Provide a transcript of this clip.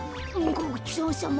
ごちそうさま。